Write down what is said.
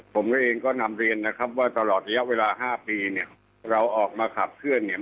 ผมก็เองก็นำเรียนนะครับว่าตลอดระยะเวลา๕ปีเนี่ยเราออกมาขับเคลื่อนเนี่ย